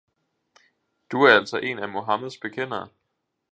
Du er altså en af Muhameds bekendere!